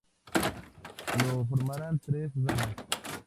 Lo formarán tres ramas.